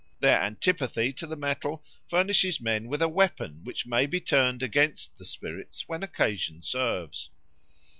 Their antipathy to the metal furnishes men with a weapon which may be turned against the spirits when occasion serves.